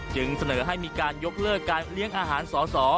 จึงเสนอให้มีการยกเลิกการเลี้ยงอาหารสอสอ